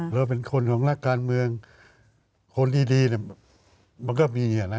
เราเป็นคนของนักการเมืองคนดีมันก็มีนะ